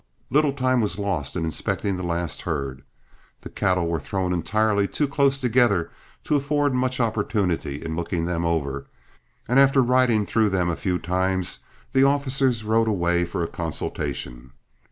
Little time was lost in inspecting the last herd. The cattle were thrown entirely too close together to afford much opportunity in looking them over, and after riding through them a few times, the officers rode away for a consultation.